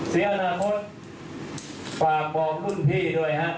เสียอนาคตฝากบอกรุ่นพี่ด้วยฮะ